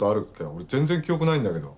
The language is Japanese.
俺全然記憶ないんだけど。